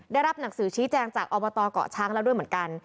ได้รับหนังสือชี้แจงจากอบตเกาะช้างแล้วด้วยเหมือนกัน